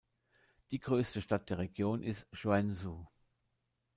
Die größte Stadt der Region ist Joensuu.